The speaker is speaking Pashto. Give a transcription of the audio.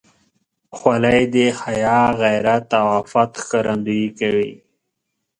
خولۍ د حیا، غیرت او عفت ښکارندویي کوي.